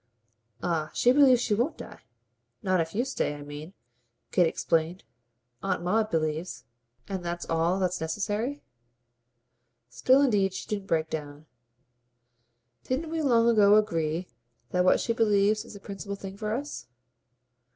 "Ah she believes she won't die. Not if you stay. I mean," Kate explained, "Aunt Maud believes." "And that's all that's necessary?" Still indeed she didn't break down. "Didn't we long ago agree that what she believes is the principal thing for us?"